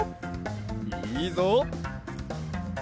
いいぞ！